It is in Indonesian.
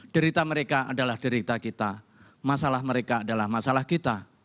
derita mereka adalah derita kita masalah mereka adalah masalah kita